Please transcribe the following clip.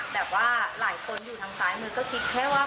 แบบว่าหลายคนอยู่ทางซ้ายมือก็คิดแค่ว่า